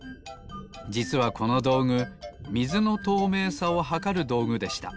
じつはこのどうぐみずのとうめいさをはかるどうぐでした。